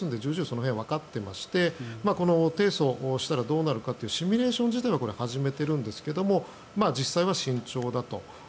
その辺わかっていまして提訴したらどうなるかというシミュレーション自体はこれ、始めているんですが実際は慎重だと。